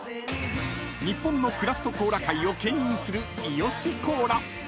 ［日本のクラフトコーラ界をけん引する伊良コーラ］